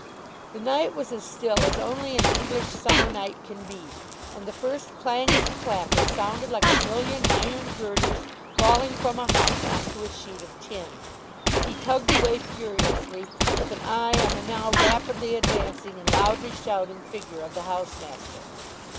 The night was as still as only an English summer night can be, and the first clang of the clapper sounded like a million iron girders falling from a height on to a sheet of tin. He tugged away furiously, with an eye on the now rapidly advancing and loudly shouting figure of the housemaster.